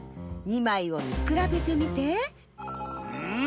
２まいをみくらべてみて。ん